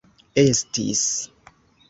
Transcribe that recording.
estis